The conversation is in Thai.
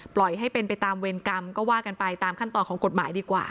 ปล่อยให้เป็นไปตามเวรกรรมก็ว่ากันไปตามขั้นตอนของกฎหมายดีกว่า